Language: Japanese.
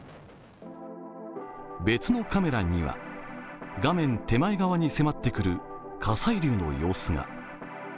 別のカメラには、画面手前側に迫ってくる火砕流の様子が。